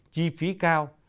chi phí cao